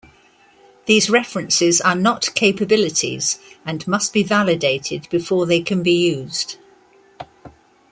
These references are not capabilities, and must be validated before they can be used.